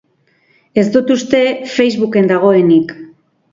Ez dut uste Facebooken dagoenik.